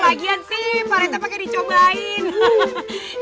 lagian sih pak rete pakai dicobain